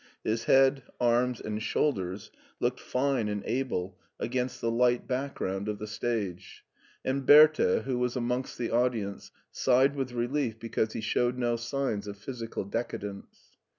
His head, arms, and shoulders looked fine and able against the light 91 92 MARTIN SCHULER background of the stage, and Bertha, who was amongst the audience, sighed with relief because he showed no signs of physical decadence.